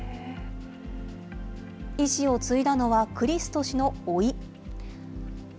遺志を継いだのは、クリスト氏のおい。